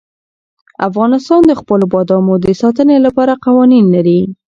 افغانستان د خپلو بادامو د ساتنې لپاره قوانین لري.